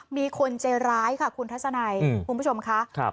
มีคนใจร้ายค่ะคุณทัศนัยคุณผู้ชมค่ะ